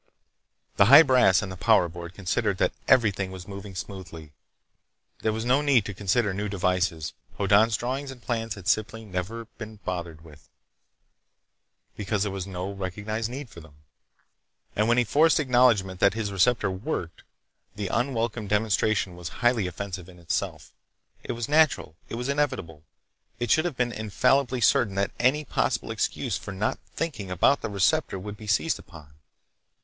The high brass in the Power Board considered that everything was moving smoothly. There was no need to consider new devices. Hoddan's drawings and plans had simply never been bothered with, because there was no recognized need for them. And when he forced acknowledgment that his receptor worked, the unwelcome demonstration was highly offensive in itself. It was natural, it was inevitable, it should have been infallibly certain that any possible excuse for not thinking about the receptor would be seized upon.